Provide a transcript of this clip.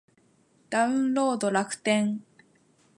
ダウンロード楽天